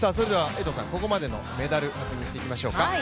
ここまでのメダル確認していきましょうか。